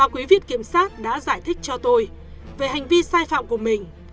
quý vị kiểm sát đã giải thích cho tôi về hành vi sai phạm của mình